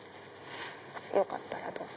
よかったらどうぞ。